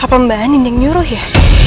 apa mbak anin yang nyuruh ya